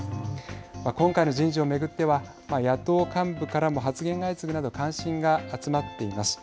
今回の人事を巡っては野党幹部からも発言が相次ぐなど関心が集まっています。